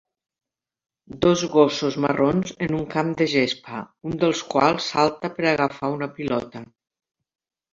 Dos gossos marrons en un camp de gespa, un dels quals salta per agafar una pilota.